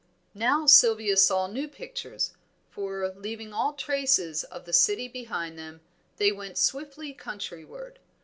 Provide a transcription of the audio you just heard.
Now Sylvia saw new pictures, for, leaving all traces of the city behind them, they went swiftly countryward.